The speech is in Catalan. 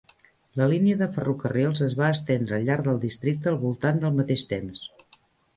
La línia de ferrocarrils es va estendre al llarg del districte al voltant del mateix temps.